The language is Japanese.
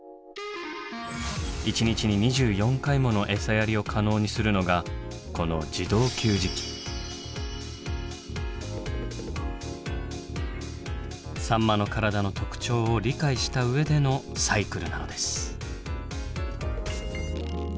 １日に２４回もの餌やりを可能にするのがこのサンマの体の特徴を理解した上でのサイクルなのです。